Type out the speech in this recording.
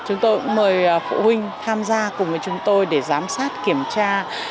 chúng tôi cũng mời phụ huynh tham gia cùng với chúng tôi để giám sát kiểm tra